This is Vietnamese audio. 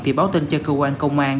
thì báo tin cho cơ quan công an